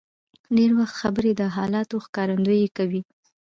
ډېر وخت خبرې د حالاتو ښکارندویي کوي.